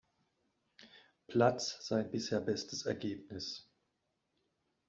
Platz sein bisher bestes Ergebnis.